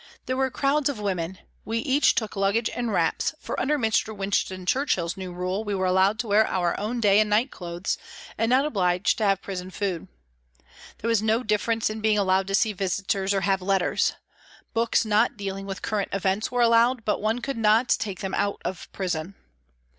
There were crowds of women ; we each took luggage and wraps, for under Mr. Winston Churchill's new rule we were HOLLOWAY REVISITED 325 allowed to wear our own day and night clothes, and not obliged to have prison food. There was no difference in being allowed to see visitors or have letters. Books not dealing with current events were allowed, but one could not take them out of prison.